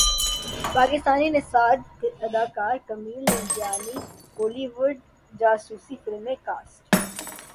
پاکستانی نژاد اداکار Kumail Nanjiani Hollywood جاسوسی فلم میں کاسٹ